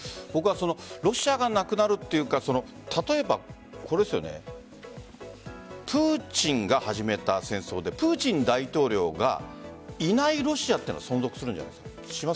ロシアがなくなるというか例えばプーチンが始めた戦争でプーチン大統領がいないロシアは存続するんじゃないですか？